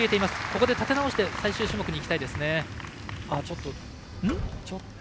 ここで立て直して最終種目にいきたいですね。